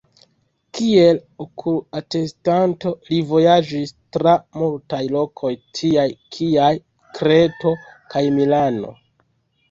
Kiel okul-atestanto, li vojaĝis tra multaj lokoj tiaj kiaj Kreto kaj Milano.